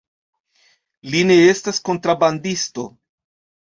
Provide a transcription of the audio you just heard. Li ne estas kontrabandisto.